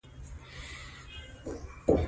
پر غوږونو یې بد نه لګيږي او خوند کوي.